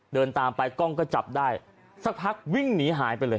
เดินตามไปกล้องก็จับได้สักพักวิ่งหนีหายไปเลย